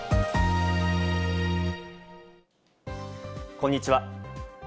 こんにちは。